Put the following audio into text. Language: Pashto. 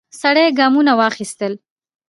سړی ګامونه واخیستل.